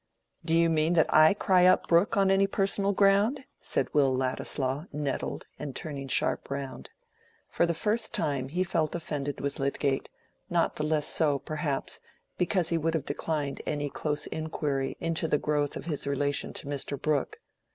"Do you mean that I cry up Brooke on any personal ground?" said Will Ladislaw, nettled, and turning sharp round. For the first time he felt offended with Lydgate; not the less so, perhaps, because he would have declined any close inquiry into the growth of his relation to Mr. Brooke.